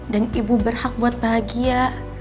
dan ibu berhak buat bahagia